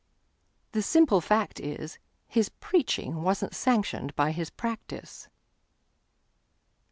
The simple fact is, His preaching was n't sanctioned by his practice.